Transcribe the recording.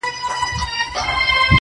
جهاني نن مي له زاهده نوې واورېدله-